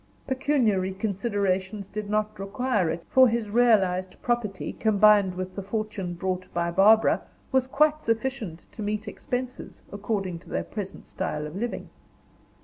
Pecuniary considerations did not require it, for his realized property, combined with the fortune brought by Barbara, was quite sufficient to meet expenses, according to their present style of living.